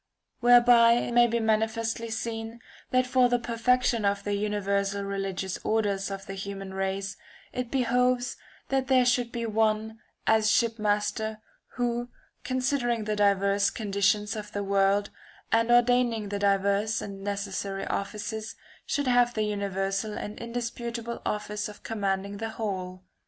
Whereby it may be manifestly seen that for the perfection of the universal religious order of the human race it behoves that there should be one, as shipmaster, who, considering the diverse con ditions of the world, and ordaining the diverse and necessary offices, should have the universal and indisputable office of commanding the whole.